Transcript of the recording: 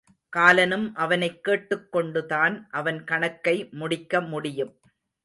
காலனும் அவனைக் கேட்டுக்கொண்டு தான் அவன் கணக்கை முடிக்க முடியும்.